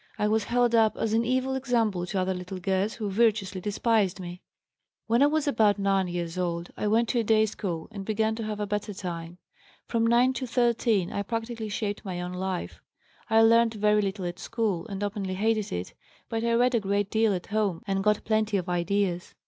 I was held up as an evil example to other little girls who virtuously despised me. "When I was about 9 years old I went to a day school and began to have a better time. From 9 to 13 I practically shaped my own life. I learned very little at school, and openly hated it, but I read a great deal at home and got plenty of ideas.